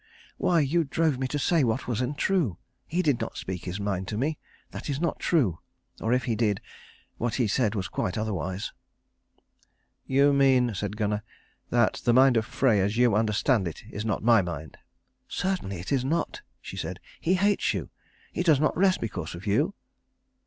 "Why, you drove me to say what was untrue. He did not speak his mind to me. That is not true. Or if he did, what he said was quite otherwise." "You mean," said Gunnar, "that the mind of Frey, as you understand it, is not my mind." "Certainly it is not," she said. "He hates you. He does not rest because of you."